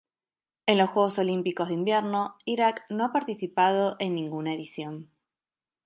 En los Juegos Olímpicos de Invierno Irak no ha participado en ninguna edición.